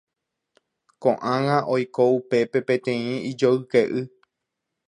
Koʼág̃a oiko upépe peteĩ ijoykeʼy.